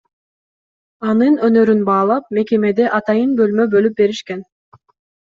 Анын өнөрүн баалап мекемеде атайын бөлмө бөлүп беришкен.